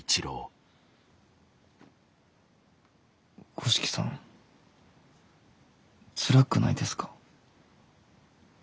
五色さんつらくないですか？